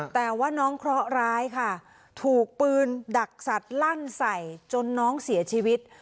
แต่ว่าน้องเคราะหร้ายค่ะถูกปืนดักสัตว์ลั่นใส่จนน้องเสียชีวิต